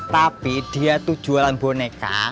tapi dia tuh jualan boneka